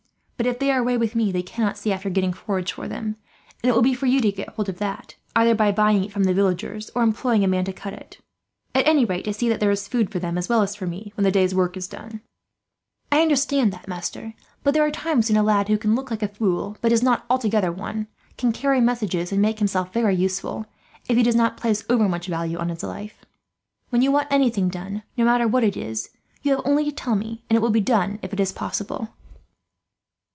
But if they are away with me, they cannot see after getting forage for them; and it will be for you to get hold of that, either by buying it from the villagers or employing a man to cut it. At any rate, to see that there is food for them, as well as for me, when the day's work is over." "I understand that, master; but there are times when a lad who can look like a fool, but is not altogether one, can carry messages and make himself very useful, if he does not place over much value on his life. When you want anything done, no matter what it is, you have only to tell me, and it will be done, if it is possible."